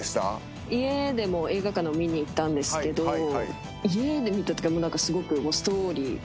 家でも映画館でも見に行ったんですけど家で見たときはすごくストーリー。